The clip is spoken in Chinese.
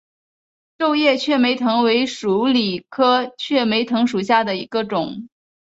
皱叶雀梅藤为鼠李科雀梅藤属下的一个种。